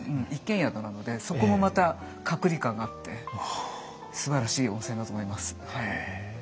一軒宿なのでそこもまた隔離感があってすばらしい温泉だと思います。